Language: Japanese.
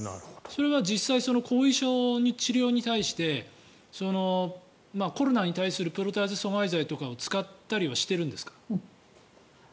それは実際後遺症の治療に対してコロナに対するプロテアーゼ阻害剤を使ったりとかはしているんですか？